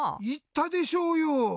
いったでしょうよ！